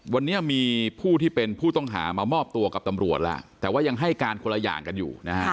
วันนี้มีผู้ที่เป็นผู้ต้องหามามอบตัวกับตำรวจแล้วแต่ว่ายังให้การคนละอย่างกันอยู่นะฮะ